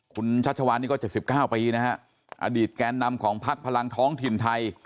คุณชัชวานนี่ก็๗๙ปีนะฮะอดีตแกนนำของพักพลังท้องถิ่นไทย